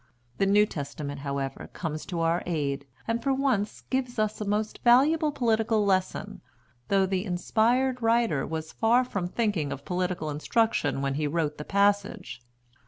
The New Testament, however, comes to our aid, and for once gives us a most valuable political lesson, though the inspired writer was far from thinking of political instruction when he wrote the passage.